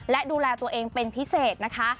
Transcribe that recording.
และดูแลตัวเองเป็นพิเศษนะคะ